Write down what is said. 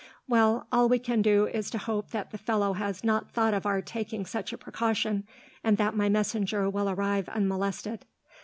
Well, all we can do is to hope that the fellow has not thought of our taking such a precaution, and that my messenger will arrive unmolested.